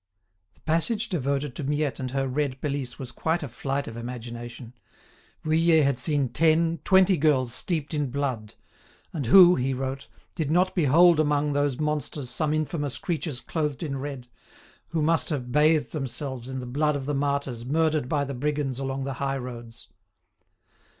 The passage devoted to Miette and her red pelisse was quite a flight of imagination. Vuillet had seen ten, twenty girls steeped in blood: "and who," he wrote, "did not behold among those monsters some infamous creatures clothed in red, who must have bathed themselves in the blood of the martyrs murdered by the brigands along the high roads?